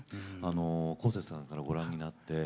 こうせつさんからご覧になって